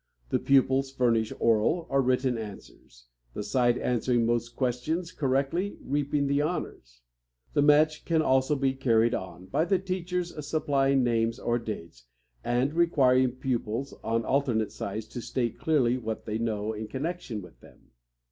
The pupils furnish oral or written answers, the side answering most questions correctly reaping the honors. The match can also be carried on by the teacher's supplying names or dates, and requiring pupils on alternate sides to state clearly what they know in connection with them.